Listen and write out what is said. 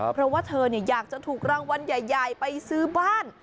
เพราะว่าเธออยากจะถูกรางวัลใหญ่ไปซื้อบ้าน